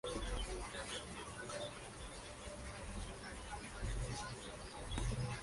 La división militar lleva además una franja gris perla central.